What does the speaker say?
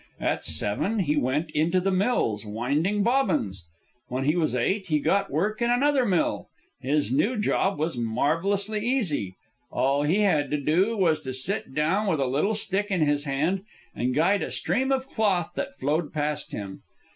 At seven he went into the mills winding bobbins. When he was eight, he got work in another mill. His new job was marvellously easy. All he had to do was to sit down with a little stick in his hand and guide a stream of cloth that flowed past him.